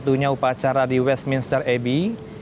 satunya upacara di westminster abbey